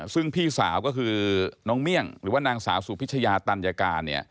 ซึ่งพี่สาวก็คือน้องเมี่ยงหรือว่านางสาวสุพิชยาตัญญาการ